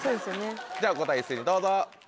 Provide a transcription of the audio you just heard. では答え一斉にどうぞ。